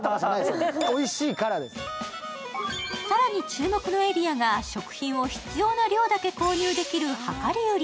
更に注目のエリアが食品を必要な量だけ購入できる量り売り。